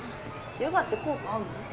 ヨガって効果あんの？